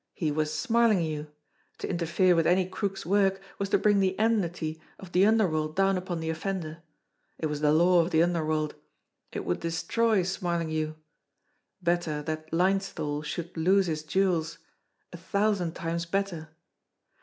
He was Smarlinghue. To interfere with any crook's work was to bring the enmity of the underworld down upon the offender. It was the law of the underworld It would de stroy Smarlinghue. Better that Linesthal should lose his jewels a thousand times better.